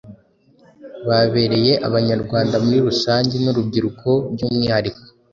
Babereye Abanyarwanda muri rusange n’urubyiruko by’umwihariko,